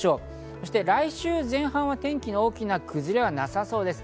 そして来週前半は天気の大きな崩れはなさそうです。